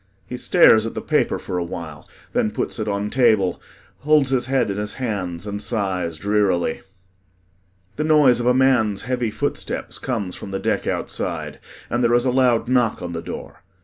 He stares at the paper for a while, then puts it on table, holds his head in his hands and sighs drearily. The noise of a man's heavy footsteps comes from the deck outside and there is a loud knock on the door.